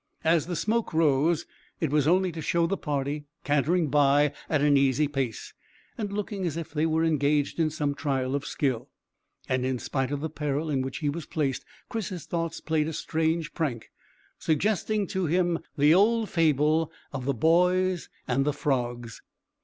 As the smoke rose it was only to show the party cantering by at an easy pace and looking as if they were engaged in some trial of skill, and in spite of the peril in which he was placed Chris's thoughts played a strange prank, suggesting to him the old fable of the boys and the frogs.